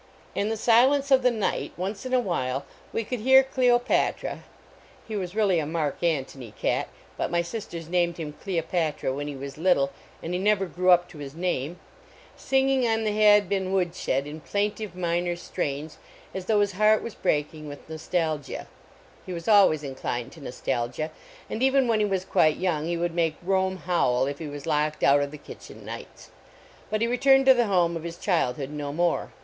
In the silence of the night, once in a while, we could hear Cleopatra he was really a Mark Antony cat, but my sisters named him Cleopatra when he was little, and he never in ew up to his name singing on the Had bin wood shed in plaintive, minor strains, as though his heart was breaking with nostal gia he was always inclined to nostalgia, and even when he was quite young he would make Rome howl if he was locked out of the kitchen nights but he returned to the home of his childhood no more.